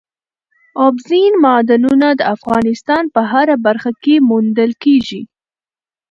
اوبزین معدنونه د افغانستان په هره برخه کې موندل کېږي.